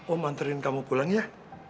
om anterin kamu pulang ya